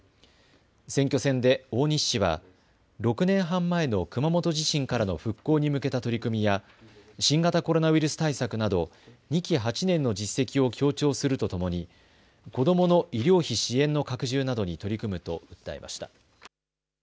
選挙戦で大西氏は６年半前の熊本地震からの復興に向けた取り組みや、新型コロナウイルス対策など２期８年の実績を強調するとともに、子どもの医療費支援の拡充などに取り組むと訴えました。